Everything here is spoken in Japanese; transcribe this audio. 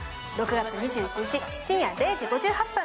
６月２１日深夜０時５８分。